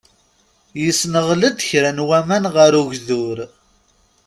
Yessenɣel-d kra n waman ɣer ugdur.